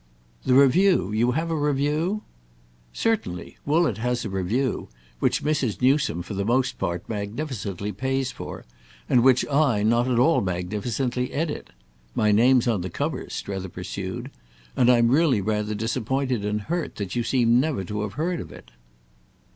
"The Review?—you have a Review?" "Certainly. Woollett has a Review—which Mrs. Newsome, for the most part, magnificently pays for and which I, not at all magnificently, edit. My name's on the cover," Strether pursued, "and I'm really rather disappointed and hurt that you seem never to have heard of it."